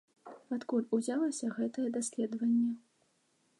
Адкуль узялося гэтае даследаванне?